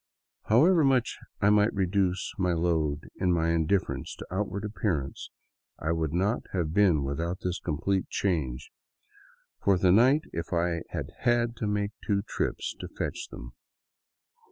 However much I might reduce my load in my indifference to outward appearance, I would not have been without this complete change for the night if I had had to make two trips to fetch them.